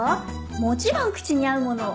もちろん口に合うものを。